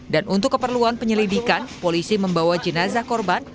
dan untuk keperluan penyelidikan polisi membawa jenazah korban